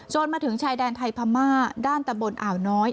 มาถึงชายแดนไทยพม่าด้านตะบนอ่าวน้อย